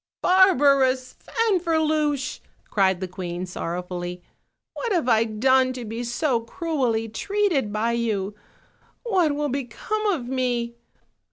"Barbarous Fanferluche," cried the queen sorrow fully, "what have I done to be so cruelly treated by you? What will become of me?